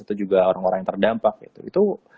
atau juga orang orang yang terdampak gitu